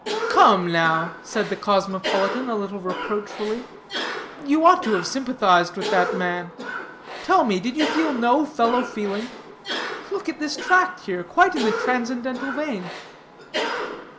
"Come, now," said the cosmopolitan, a little reproachfully, "you ought to have sympathized with that man; tell me, did you feel no fellow feeling? Look at his tract here, quite in the transcendental vein."